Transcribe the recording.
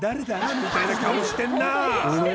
みたいな顔してんな俺？